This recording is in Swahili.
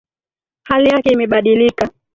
Hali yake imebadilika.